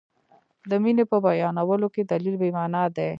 د مینې په بیانولو کې دلیل بې معنا دی.